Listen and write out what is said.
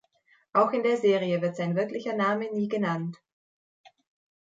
Auch in der Serie wird sein wirklicher Name nie genannt.